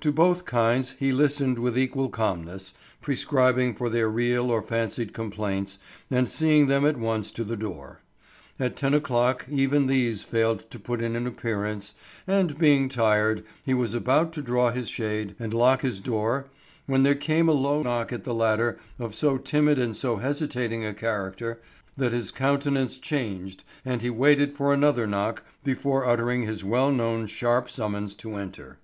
To both kinds he listened with equal calmness, prescribing for their real or fancied complaints and seeing them at once to the door. At ten o'clock even these failed to put in an appearance, and being tired, he was about to draw his shade and lock his door when there came a low knock at the latter of so timid and so hesitating a character that his countenance changed and he waited for another knock before uttering his well known sharp summons to enter.